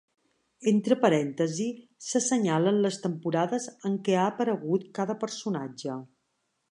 Entre parèntesis s'assenyalen les temporades en què ha aparegut cada personatge.